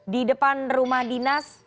di depan rumah dinas